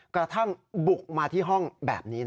กระทั่งบุกมาที่ห้องแบบนี้